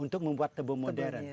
untuk membuat tebu modern